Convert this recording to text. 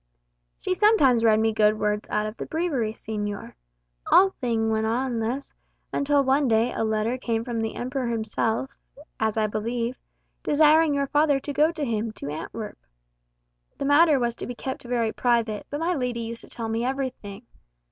"She sometimes read me good words out of the Breviary, señor. All thing went on thus, until one day when a letter came from the Emperor himself (as I believe), desiring your father to go to him, to Antwerp. The matter was to be kept very private, but my lady used to tell me everything.